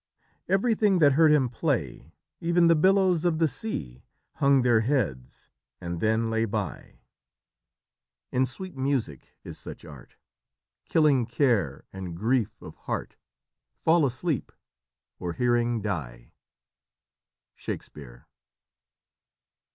Everything that heard him play, Even the billows of the sea, Hung their heads, and then lay by, In sweet music is such art, Killing care and grief of heart Fall asleep, or hearing die." Shakespeare.